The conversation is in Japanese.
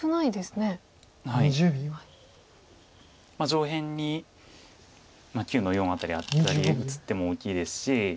上辺に９の四辺りアタリ打つ手も大きいですし